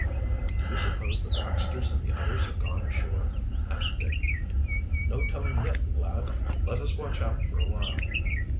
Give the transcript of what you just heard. "Do you suppose the Baxters and the others have gone ashore?" asked Dick. "No telling yet, lad. Let us watch out for a while."